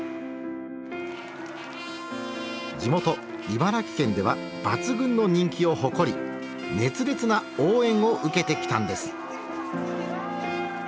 地元茨城県では抜群の人気を誇り熱烈な応援を受けてきたんです。